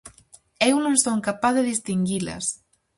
Eu non son capaz de distinguilas.